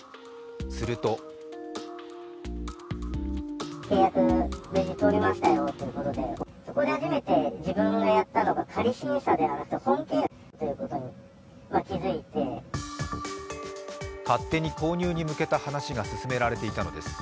すると勝手に購入に向けた話が進められていたのです。